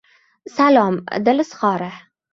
Salom — dil-izhori.